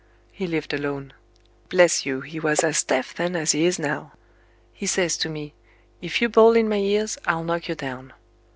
He lived alone. Bless you, he was as deaf then as he is now. He says to me, 'If you bawl in my ears, I'll knock you down.'